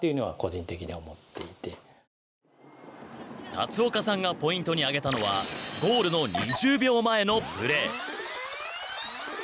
龍岡さんがポイントに挙げたのはゴールの２０秒前のプレー。